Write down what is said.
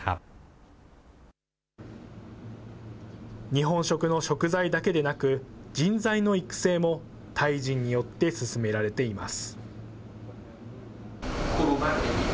日本食の食材だけでなく、人材の育成もタイ人によって進められています。